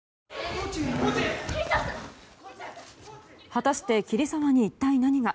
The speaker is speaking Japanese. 果たして桐沢に一体何が。